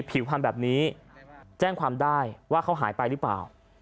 ผิวพันธุ์แบบนี้แจ้งความได้ว่าเขาหายไปหรือเปล่า